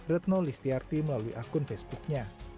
retno listiarti melalui akun facebooknya